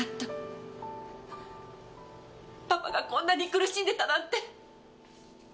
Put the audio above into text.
パパがこんなに苦しんでたなんて！